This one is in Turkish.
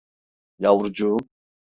Yavrucuğum!